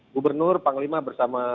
gubernur panglima bersama